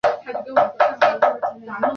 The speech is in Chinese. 圣若达尔人口变化图示